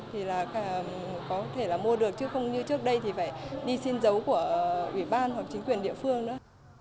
thì là có thể là mua được chứ không như trước đây thì phải đi xin dấu của ủy ban hoặc chính quyền địa phương nữa